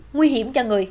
nguy hiểm cho người